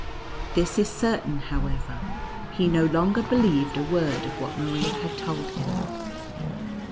This is certain, however, he no longer believed a word of what Maria had told him.